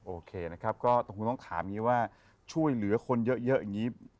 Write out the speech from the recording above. โอเคนะครับก็ต้องคงต้องถามอย่างนี้ว่าช่วยเหลือคนเยอะอย่างนี้